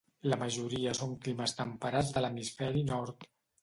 La majoria són de climes temperats de l'hemisferi nord.